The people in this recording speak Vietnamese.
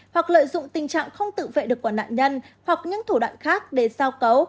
hoặc lợi dụng tình trạng không tự vệ được của nạn nhân hoặc những thủ đoạn khác để giao cấu